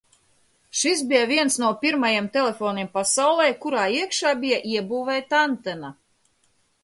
Šis bija viens no pirmajiem telefoniem pasaulē, kurā iekšā bija iebūvēta antena.